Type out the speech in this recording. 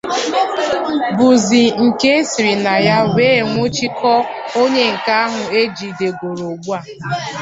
bụzị nke e siri na ya wee nwụchikọọ onye nke ahụ e jidegoro ugbua